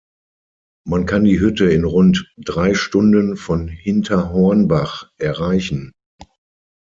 Man kann die Hütte in rund drei Stunden von Hinterhornbach erreichen.